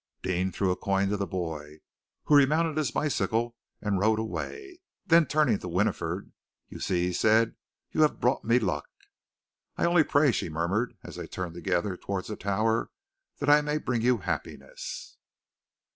Deane threw a coin to the boy, who remounted his bicycle and rode away. Then, turning to Winifred, "You see," he said, "you have brought me luck." "I only pray," she murmured, as they turned together toward the tower, "that I may bring you happiness!"